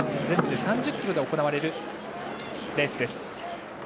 全部で３０ｋｍで行われるレースです。